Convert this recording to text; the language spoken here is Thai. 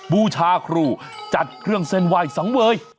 บูชาครูจัดเครื่องเส้นไหว้สังเวย